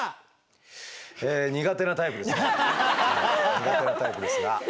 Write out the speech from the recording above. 苦手なタイプですが。